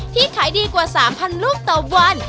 ขายดีกว่า๓๐๐ลูกต่อวัน